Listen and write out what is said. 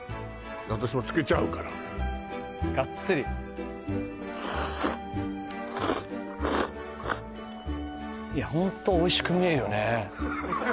私もつけちゃうからがっつりいやホントおいしく見えるよね